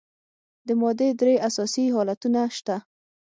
د مادې درې اساسي حالتونه شته.